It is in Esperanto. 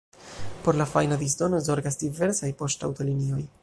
Por la fajna disdono zorgas diversaj poŝtaŭtolinioj.